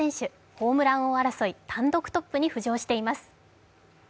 ホームラン王争い単独トップに浮上しています。